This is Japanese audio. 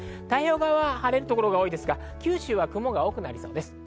太平洋側は晴れる所が多いですが、九州は雲が多くなりそうです。